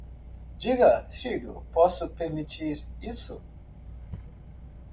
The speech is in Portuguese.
Diga, filho, posso permitir isso?